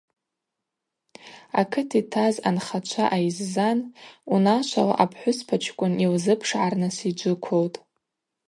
Акыт йтаз анхачва айззан унашвала апхӏвыспачкӏвын йылзыпшгӏарныс йджвыквылтӏ.